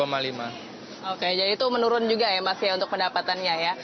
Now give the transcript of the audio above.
oke jadi itu menurun juga ya mas ya untuk pendapatannya ya